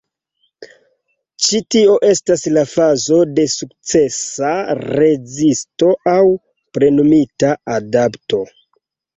Ĉi tio estas la fazo de sukcesa rezisto aŭ „plenumita adapto.